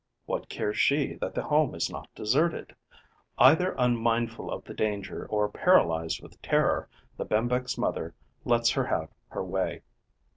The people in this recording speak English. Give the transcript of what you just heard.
What cares she that the home is not deserted? Either unmindful of the danger or paralysed with terror, the Bembex mother lets her have her way.